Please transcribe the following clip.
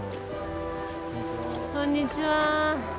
こんにちは。